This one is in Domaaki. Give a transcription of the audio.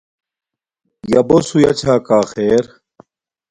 یݳ بݸس ہݸیݳ چھݳ کݳ خݵر.